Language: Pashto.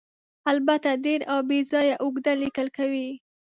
البته ډېر او بې ځایه اوږده لیکل کوي.